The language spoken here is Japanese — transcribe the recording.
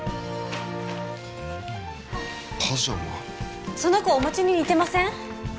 パジャマその子おもちに似てません？